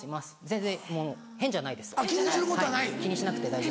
全然ホントに変じゃないです。